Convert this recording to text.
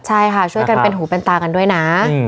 ใช่ค่ะช่วยกันเป็นหูเป็นตากันด้วยนะ